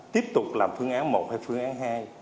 tiếp tục làm phương án một hay phương án hai